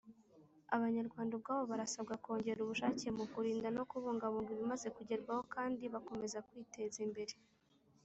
Abanyarwanda ubwabo barasabwa kongera ubushake mu kurinda no kubungabunga ibimaze kugerwaho kandi bakomeza kwiteza imbere